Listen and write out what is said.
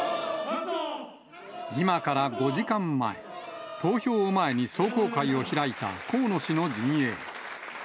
今から５時間前、投票を前に壮行会を開いた河野氏の陣営。